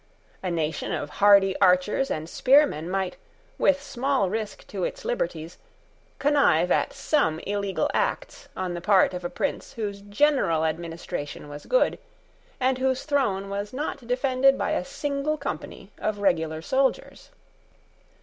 A nation of hardy archers and spearmen might, with small risk to its liberties, connive at some illegal acts on the part of a prince whose general administration was good, and whose throne was not defended by a single company of regular soldiers.